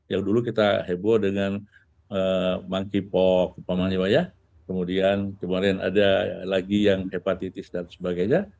yang dulu kita heboh dengan monkeypox pamanja kemudian kemarin ada lagi yang hepatitis dan sebagainya